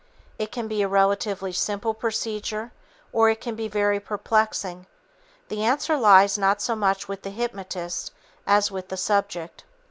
It can be a relatively simple procedure, or it can be very perplexing. The answer lies not so much with the hypnotist as with the subject.